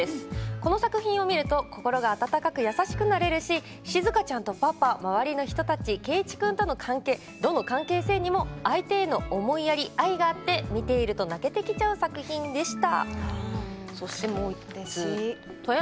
この作品を見ると心が温かく優しくなれるし静ちゃんとパパ、周りの人たち圭一君との関係、どの関係性にも相手への思いやり、愛があって見ていると泣けてきちゃう作品でした。